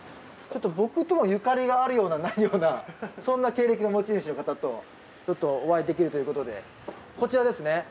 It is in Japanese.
僕ともゆかりがあるようなないようなそんな経歴の持ち主の方とお会いできるということでこちらですね